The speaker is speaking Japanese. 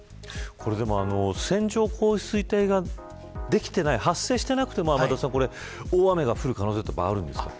線状降水帯ができていない発生していなくても大雨が降る可能性はあるんですか。